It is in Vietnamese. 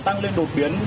tăng lên đột biến